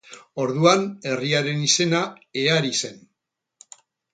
Orduan, herriaren izena Ehari zen.